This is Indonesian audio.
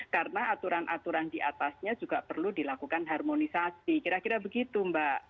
karena aturan aturan di atasnya juga perlu dilakukan harmonisasi kira kira begitu mbak